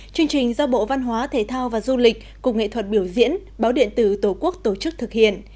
chương trình do bộ văn hóa thể thao và du lịch cục nghệ thuật biểu diễn báo điện tử tổ quốc tổ chức thực hiện